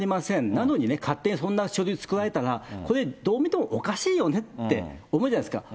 なのにね、勝手にそんな書類作られたら、これ、どう見てもおかしいよねって思うじゃないですか。